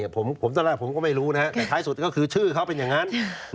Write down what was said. ผมตอนแรกผมก็ไม่รู้นะครับแต่ท้ายสุดก็คือชื่อเขาเป็นอย่างนั้น